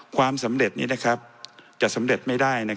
ความสำเร็จนี้จะสำเร็จไม่ได้